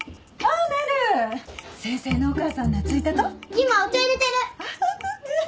今お茶入れてる。